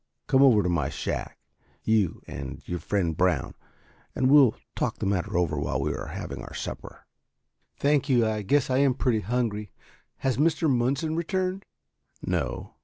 Come over to my shack, you and your friend Brown, and we will talk the matter over while we are having our supper." "Thank you. I guess I am pretty hungry. Has Mr. Munson returned?" "No.